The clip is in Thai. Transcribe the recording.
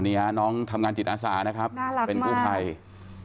นี่น้องทำงานจิตอาสานะครับเป็นกู้ภัยน่ารักมาก